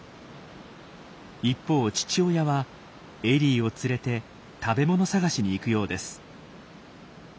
一方父親はエリーを連れて食べ物探しに行くようです。